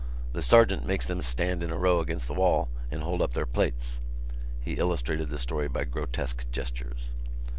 The sergeant makes them stand in a row against the wall and hold up their plates." He illustrated the story by grotesque gestures.